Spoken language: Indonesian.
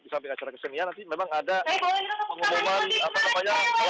secara kesenian nanti memang ada pengumuman apa namanya olahraga